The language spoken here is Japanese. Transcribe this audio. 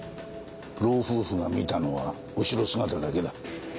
老夫婦が見たのは後ろ姿だけだ。